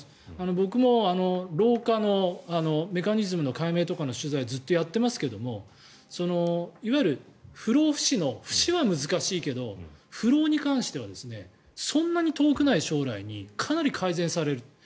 僕も老化のメカニズムの解明とかの取材をずっとやってますけどもいわゆる不老不死の不死は難しいけど不老に関してはそんなに遠くない将来にかなり改善されると。